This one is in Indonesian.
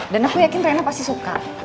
dan aku yakin rena pasti suka